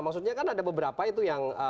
maksudnya kan ada beberapa itu yang